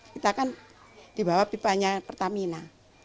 kita kan dibawa pipanya pertamina